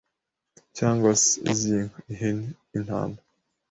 cyangwa se, iz’inka, ihene, intama